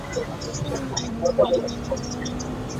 Nze okukyala nakuvaako kubanga abantu bageya.